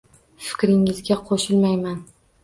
Fikringizga qoʻshilmayman.